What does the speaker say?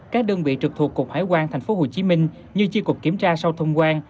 các đơn vị trực thuộc cục hải quan tp hcm như chi cục kiểm tra sau thông quan